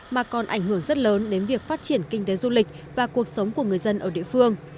mà còn ảnh hưởng rất lớn đến việc phát triển kinh tế du lịch và cuộc sống của người dân ở địa phương